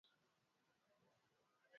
Kwetu, ambapo ni nyumbani, ni mbali sana.